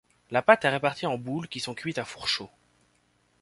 La pâte est répartie en boules qui sont cuites à four chaud.